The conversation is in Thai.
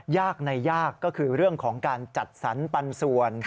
ยากในยากก็คือเรื่องของการจัดสรรปันส่วน